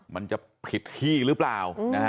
มันจะผิดที่หรือเปล่า